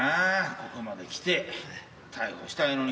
ここまで来て逮捕したいのに。